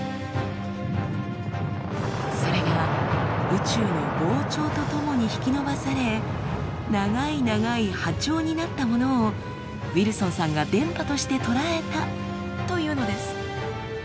それが宇宙の膨張とともに引き伸ばされ長い長い波長になったものをウィルソンさんが電波として捉えたというのです。